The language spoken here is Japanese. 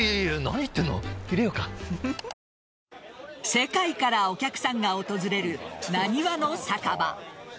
世界からお客さんが訪れるナニワの酒場。